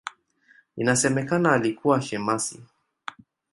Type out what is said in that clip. Inasemekana alikuwa shemasi.